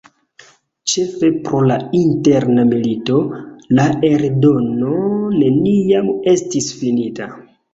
Ĉefe pro la Interna milito, la eldono neniam estis finita.